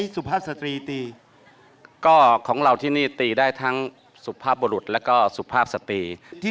สามารถทำที่นี่ตีได้ทั้งสุภาพบรุษและสุภาพสตี